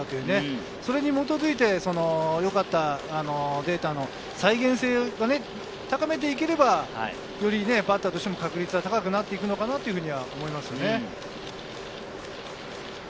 それに基づいてよかったデータの再現性を高めていければよりバッターとしての確率が高くなっていくかなと思いますね。